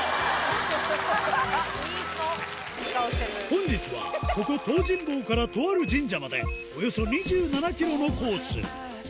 本日はここ東尋坊からとある神社までおよそ２７ｋｍのコース